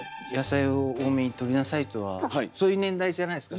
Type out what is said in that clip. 僕はいそういう年代じゃないですか？